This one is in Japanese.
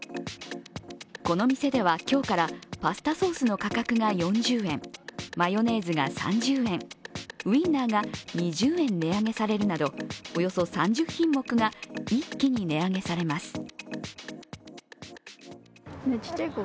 この店では今日からパスタソースの価格が４０円、マヨネーズが３０円、ウインナーが２０円値上げされるなどおよそ３０品目が一気に値上げされます。